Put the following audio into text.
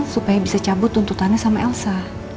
supaya bisa cabut tuntutannya sama elsa